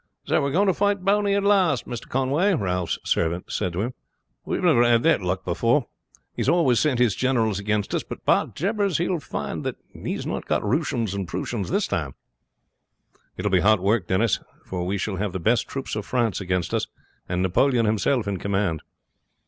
"So we are going to fight Bony at last, Mister Conway," Ralph's servant said to him. "We've never had that luck before. He has always sent his generals against us, but, by jabbers, he will find that he has not got Roosians and Proosians this time." "It will be hot work, Denis; for we shall have the best troops of France against us, and Napoleon himself in command."